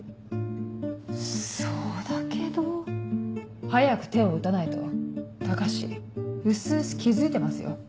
そうだけど。早く手を打たないと高志うすうす気付いてますよ。